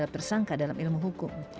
dan tersebut adalah tersangka dalam ilmu hukum